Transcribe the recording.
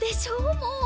もう！